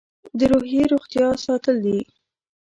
د روحي روغتیا ساتل دي.